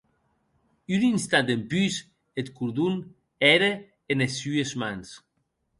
Un instant dempús, eth cordon ère enes sues mans.